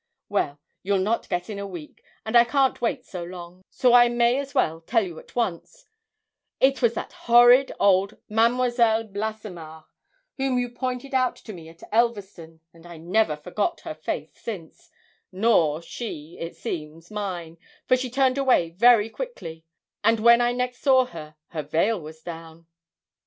Well you'll not guess in a week, and I can't wait so long; so I may as well tell you at once she was that horrid old Mademoiselle Blassemare whom you pointed out to me at Elverston; and I never forgot her face since nor she, it seems, mine, for she turned away very quickly, and when I next saw her, her veil was down."'